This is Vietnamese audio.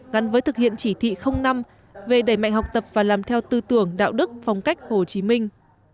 gắn với thực hiện chỉ thị năm về đẩy mạnh học tập và làm theo tư tưởng đạo đức phong cách hồ chí minh